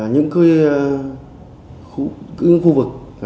những khu vực